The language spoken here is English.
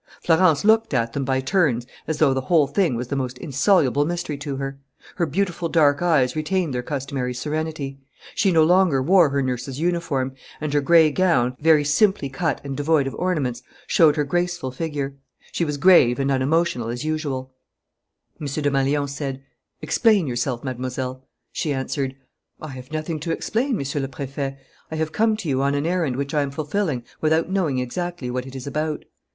Florence looked at them by turns as though the whole thing was the most insoluble mystery to her. Her beautiful dark eyes retained their customary serenity. She no longer wore her nurse's uniform; and her gray gown, very simply cut and devoid of ornaments, showed her graceful figure. She was grave and unemotional as usual. M. Desmalions said: "Explain yourself, Mademoiselle." She answered: "I have nothing to explain, Monsieur le Préfet. I have come to you on an errand which I am fulfilling without knowing exactly what it is about."